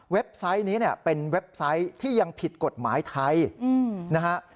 ไซต์นี้เนี่ยเป็นเว็บไซต์ที่ยังผิดกฎหมายไทยนะฮะ